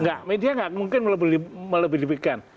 nggak media nggak mungkin melebih lebihkan